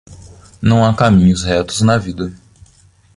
Não há caminhos retos na vida.